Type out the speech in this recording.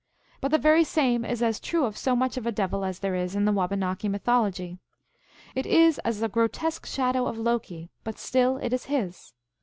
But the very same is as true of so much of a devil as there is in the Wabanaki mythology. It is as a grotesque shadow of Loki, but still it is his.